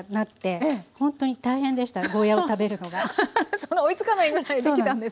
そんな追いつかないぐらい出来たんですね。